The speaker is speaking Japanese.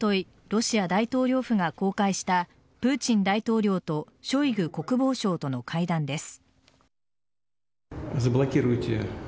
ロシア大統領府が公開したプーチン大統領とショイグ国防相との会談です。